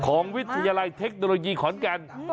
วิทยาลัยเทคโนโลยีขอนแก่น